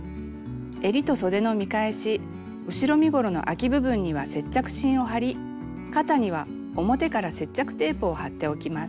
えりとそでの見返し後ろ身ごろのあき部分には接着芯を貼り肩には表から接着テープを貼っておきます。